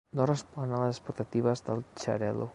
No respon a les expectatives del xarel·lo.